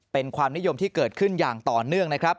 เป็นความนิยมที่เกิดขึ้นอย่างต่อเนื่องนะครับ